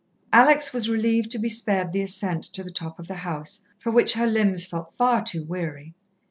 Alex was relieved to be spared the ascent to the top of the house, for which her limbs felt far too weary.